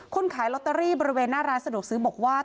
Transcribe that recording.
ขายลอตเตอรี่บริเวณหน้าร้านสะดวกซื้อบอกว่า